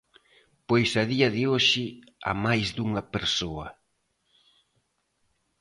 Pois a día de hoxe a máis dunha persoa.